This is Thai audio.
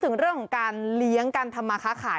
ถึงเรื่องของการเลี้ยงการทำมาค้าขาย